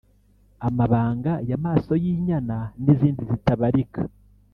Amabanga ya maso y’inyana n’izindi zitabarika